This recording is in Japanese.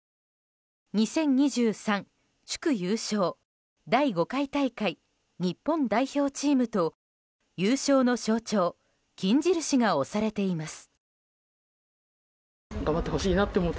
２０２３祝優勝第５回大会日本代表チームと優勝の象徴金印が押されています。